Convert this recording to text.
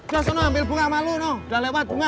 jangan sampai ambil bunga sama lo udah lewat bunga